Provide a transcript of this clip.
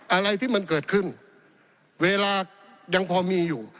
อะไรที่มันเกิดขึ้นเวลายังพอมีอยู่